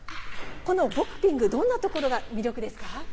このボクピング、どんなところが魅力ですか。